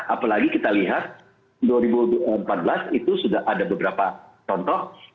apalagi kita lihat dua ribu empat belas itu sudah ada beberapa contoh